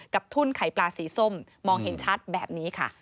ทุ่นไข่ปลาสีส้มมองเห็นชัดแบบนี้ค่ะ